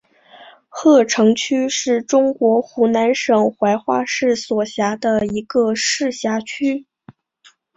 鹤城区是中国湖南省怀化市所辖的一个市辖区。